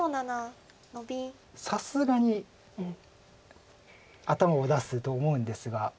さすがに頭を出すと思うんですが。